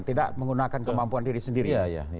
tidak menggunakan kemampuan diri sendiri